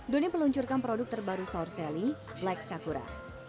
doni peluncurkan produk terbaru saur seli black sakura